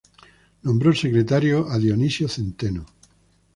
Nombró secretario a Dionisio Centeno.